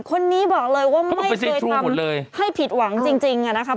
คนนี้บอกเลยว่าไม่เคยทำให้ผิดหวังจริงนะครับ